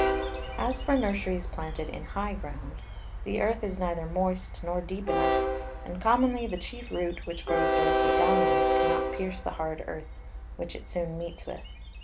As for Nurseries planted in high Ground, the Earth is neither moist nor deep enough, and commonly the chief Root which grows directly downwards, cannot pierce the hard Earth which it soon meets with.